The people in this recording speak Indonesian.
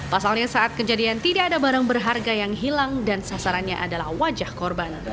pasalnya saat kejadian tidak ada barang berharga yang hilang dan sasarannya adalah wajah korban